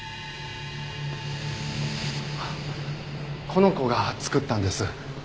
この子が作ったんです。